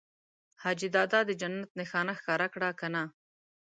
حاجي دادا د جنت نښانه ښکاره کړه که نه؟